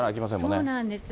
そうなんです。